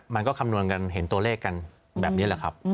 คำนวณกันเห็นตัวเลขกันแบบนี้แหละครับ